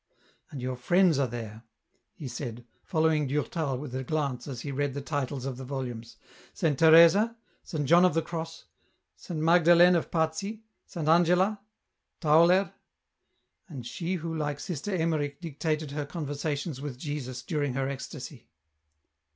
... And your friends are there," he said, following Durtal with a glance as he read the titles of the volumes, "' Saint Teresa,' * Saint John of the Cross,' ' Saint Magdalen of Pazzi,' 'Saint Angela,' ' Tauler,' ... and she who like Sister Emmerich dictated her conversations with Jesus during her ecstasy."